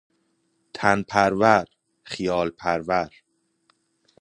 تن پرور- خیال پرور